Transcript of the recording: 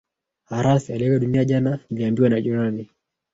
Haratah aliaga dunia jana, niliambiwa na jirani